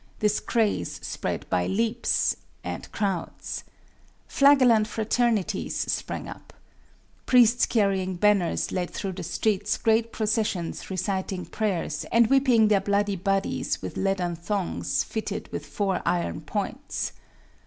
This craze spread by leaps and crowds. Flagellant fraternities sprang up. Priests carrying banners led through the streets great processions reciting prayers and whipping their bloody bodies with leathern thongs fitted with four iron points.